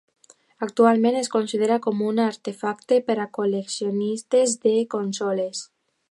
Actualment es considera com un artefacte per a col·leccionistes de consoles.